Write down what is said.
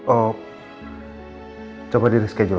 oh coba diri sekejauh